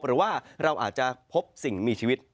หรือว่าเราอาจจะพบสิ่งมีชีวิต